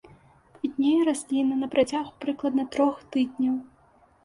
Квітнее расліна на працягу прыкладна трох тыдняў.